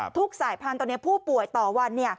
สายพันธุ์ตอนนี้ผู้ป่วยต่อวัน